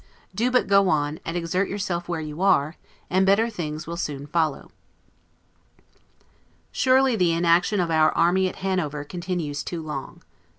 Do but go on, and exert yourself were you are, and better things will soon follow. Surely the inaction of our army at Hanover continues too long.